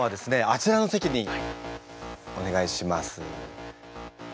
あちらの席にお願いします。